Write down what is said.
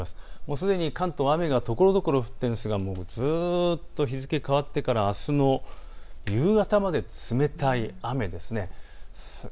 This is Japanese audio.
すでに関東、雨がところどころ降っているんですがずっと日付変わってからあすの夕方まで冷たい雨です。